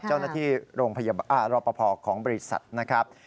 เจ้าหน้าที่รอปภของบริษัทนะครับ